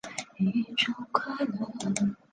本届内阁还诞生了印尼第一位华人阁员陈宝源。